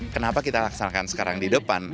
kenapa kita laksanakan sekarang di depan